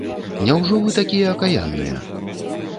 Няўжо вы такія акаянныя?!